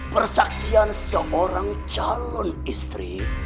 persaksian seorang calon istri